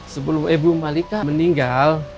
sebelum ibu malika meninggal